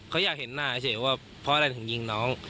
เขาอยากเห็นหน้าเฉยว่าเพราะอะไรถึงยิงน้อง